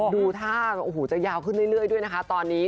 ดูท่าโอ้โหจะยาวขึ้นเรื่อยด้วยนะคะตอนนี้